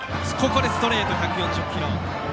ストレート、１４０キロ。